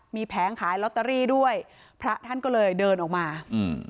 มีแผงขายลอตเตอรี่ด้วยพระท่านก็เลยเดินออกมาอืม